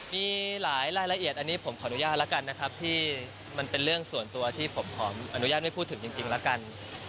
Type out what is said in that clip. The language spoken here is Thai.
มีหลายรายละเอียดอันนี้ผมขออนุญาตแล้วกันนะครับที่มันเป็นเรื่องส่วนตัวที่ผมขออนุญาตไม่พูดถึงจริงแล้วกัน